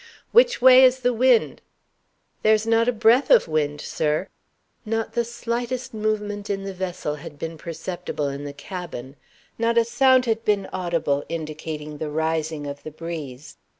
"Which way is the wind?" "There is not a breath of wind, sir." Not the slightest movement in the vessel had been perceptible in the cabin; not a sound had been audible indicating the rising of the breeze.